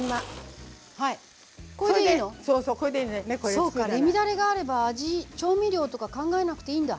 そうかレミだれがあれば味調味料とか考えなくていいんだ。